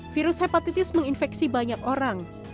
virus hepatitis menginfeksi banyak orang